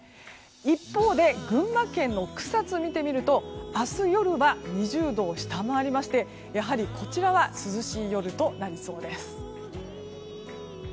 一方で群馬県の草津を見てみると明日夜は２０度を下回りましてやはり、こちらは涼しい夜となりそうです。